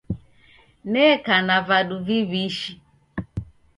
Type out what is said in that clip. Neka na vadu viw'ishi